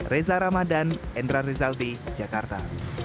reza ramadan endra rizaldi jakarta